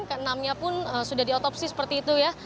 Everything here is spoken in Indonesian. ke enam nya pun sudah diotopsi seperti itu ya